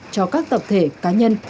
cho các tập thể cá nhân